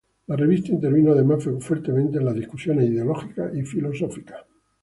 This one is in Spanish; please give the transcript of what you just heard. La revista intervino además fuertemente en las discusiones ideológicas y filosóficas.